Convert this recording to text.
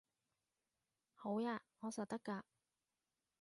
好吖，我實得㗎